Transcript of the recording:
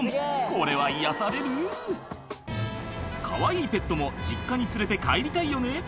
これは癒やされるかわいいペットも実家に連れて帰りたいよね